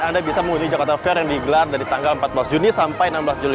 anda bisa mengunjungi jakarta fair yang digelar dari tanggal empat belas juni sampai enam belas juli